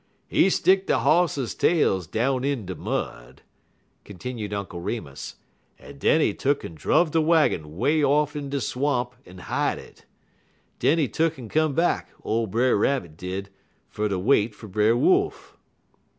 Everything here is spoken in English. "He stick de hosses' tails down in de mud," continued Uncle Remus, "en den he tuck'n druv de waggin 'way off in de swamp en hide it. Den he tuck'n come back, ole Brer Rabbit did, fer ter wait fer Brer Wolf.